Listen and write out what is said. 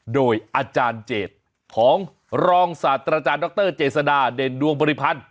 โดยอาจารย์เจดของรองศาสตราจารย์ดรเจษฎาเด่นดวงบริพันธ์